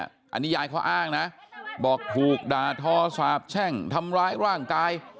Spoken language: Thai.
อันนี้ยายเขาอ้างนะบอกถูกด่าทอสาบแช่งทำร้ายร่างกาย